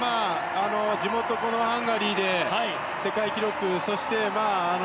地元ハンガリーで世界記録。